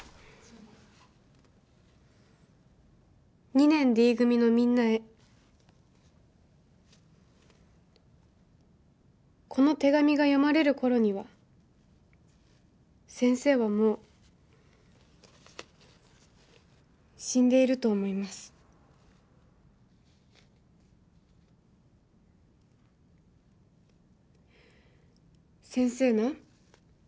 ２年Ｄ組のみんなへこの手紙が読まれる頃には先生はもう死んでいると思います先生な